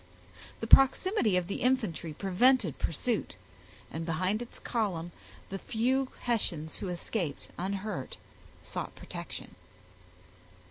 The proximity of the infantry prevented pursuit, and behind its column the few Hessians who escaped unhurt sought protection.